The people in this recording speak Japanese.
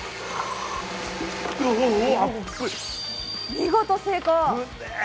見事成功！